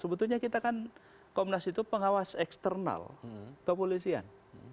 sebetulnya kita kan komnas itu pengawas eksternal kepolisian